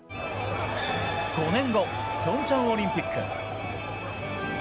５年後、平昌オリンピック。